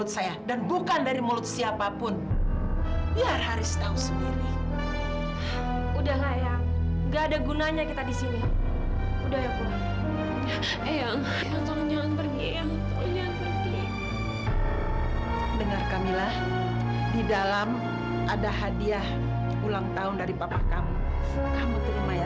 sampai jumpa di video selanjutnya